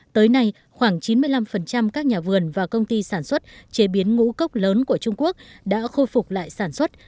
tới nay khoảng chín mươi năm các nhà vườn và công ty sản xuất chế biến ngũ cốc lớn của trung quốc đã khôi phục lại sản xuất